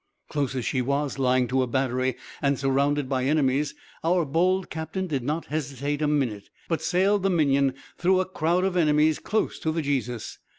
"Close as she was lying to a battery, and surrounded by enemies, our bold captain did not hesitate a minute; but sailed the Minion, through a crowd of enemies, close to the Jesus.